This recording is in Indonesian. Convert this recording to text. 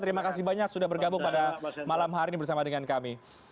terima kasih banyak sudah bergabung pada malam hari ini bersama dengan kami